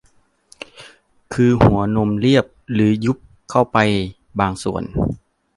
คือหัวนมเรียบหรือยุบเข้าไปบางส่วน